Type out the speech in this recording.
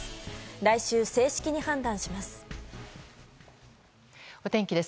来週、正式に判断します。